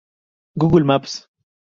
Google Maps